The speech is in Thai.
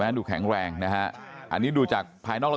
บางครั้งเขาจะบอนบสเกตตอนด้วย